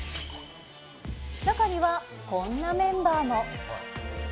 中には、こんなメンバーも。